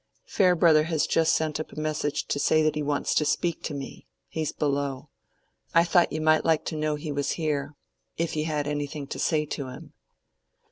"Farebrother has just sent up a message to say that he wants to speak to me. He is below. I thought you might like to know he was there, if you had anything to say to him."